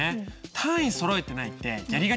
単位そろえてないってやりがちじゃない？